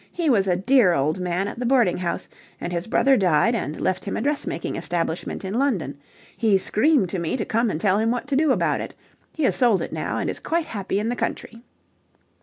He was a dear old man at the boarding house, and his brother died and left him a dressmaking establishment in London. He screamed to me to come and tell him what to do about it. He has sold it now and is quite happy in the country."